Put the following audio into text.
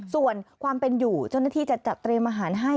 ส่วนความเป็นอยู่เจ้าหน้าที่จะจัดเตรียมอาหารให้